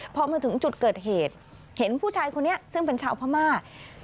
พอมาถึงจุดเกิดเหตุเห็นผู้ชายคนนี้ซึ่งเป็นชาวพม่า